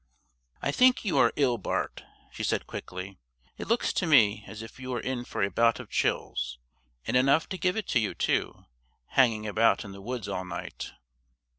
"I think you are ill, Bart," she said quickly. "It looks to me as if you were in for a bout of chills; and enough to give it to you too, hanging about in the woods all night."